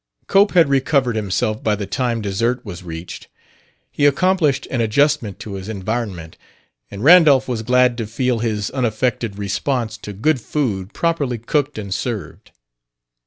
Cope had recovered himself by the time dessert was reached. He accomplished an adjustment to his environment, and Randolph was glad to feel his unaffected response to good food properly cooked and served.